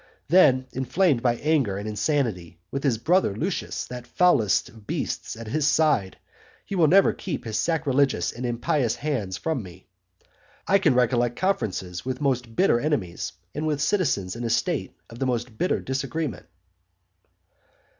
Then, inflamed by anger and insanity, with his brother Lucius, that foulest of beasts, at his side, he will never keep his sacrilegious and impious hands from me. I can recollect conferences with most bitter enemies, and with citizens in a state of the most bitter disagreement.